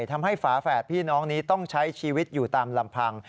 ฝาแฝดพี่น้องนี้ต้องใช้ชีวิตอยู่ตามลำพัง